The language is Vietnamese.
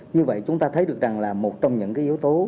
như vậy chúng ta thấy được rằng là một trong những cái yếu tố